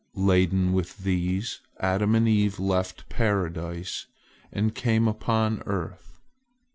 Laden with these, Adam and Eve left Paradise, and came upon earth.